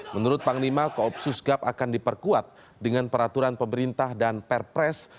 menurut panglima koopsus gap akan diperkuat dengan peraturan pemerintah dan perpres